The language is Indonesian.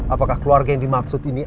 apakah keluarga yang dimaksud ini